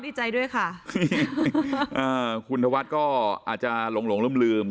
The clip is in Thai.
ดีใจด้วยค่ะอ่าคุณธวัฒน์ก็อาจจะหลงหลงลืมลืม